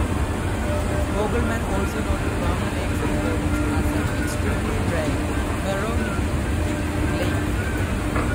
Vogelmann also noted Round Lake's importance as an extremely rare, "meromictic" lake.